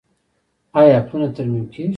آیا پلونه ترمیم کیږي؟